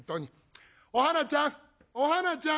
お花ちゃんお花ちゃん！